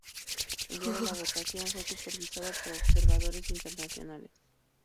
El día de la votación fue supervisado por observadores internacionales.